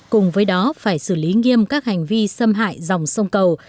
cùng với đó phải xử lý nghiêm các hành vi xâm hại dòng sông cầu